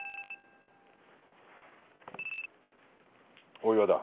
大岩だ。